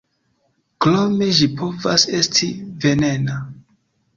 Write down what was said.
Krome ĝi povas esti venena.